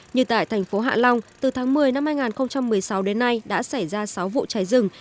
như tại thành phố hạ long từ tháng một mươi năm hai nghìn một mươi sáu đến nay đã xảy ra sáu vụ cháy rừng